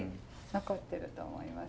残ってると思います。